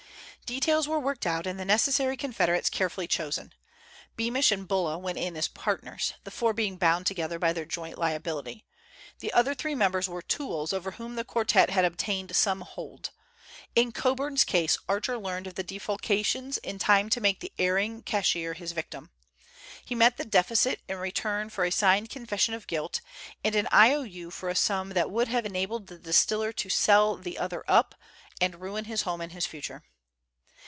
Details were worked out, and the necessary confederates carefully chosen. Beamish and Bulla went in as partners, the four being bound together by their joint liability. The other three members were tools over whom the quartet had obtained some hold. In Coburn's case, Archer learned of the defalcations in time to make the erring cashier his victim. He met the deficit in return for a signed confession of guilt and an I O U for a sum that would have enabled the distiller to sell the other up, and ruin his home and his future.